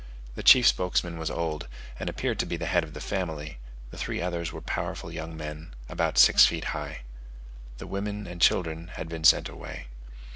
The chief spokesman was old, and appeared to be the head of the family; the three others were powerful young men, about six feet high. The women and children had been sent away.